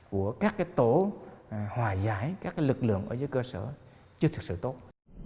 của các tổ hòa giải các lực lượng ở dưới cơ sở chưa thực sự tốt